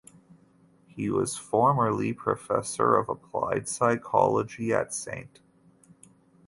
He was formerly Professor of Applied Psychology at St.